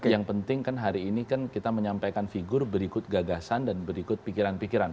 yang penting kan hari ini kan kita menyampaikan figur berikut gagasan dan berikut pikiran pikiran